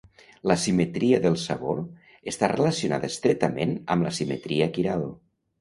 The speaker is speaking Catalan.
La simetria del sabor està relacionada estretament amb la simetria quiral.